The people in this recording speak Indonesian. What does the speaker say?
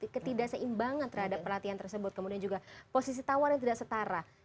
ketidakseimbangan terhadap pelatihan tersebut kemudian juga posisi tawar yang tidak setara